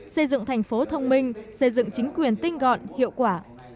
xây dựng thành phố thông minh xây dựng chính quyền tinh gọn hiệu quả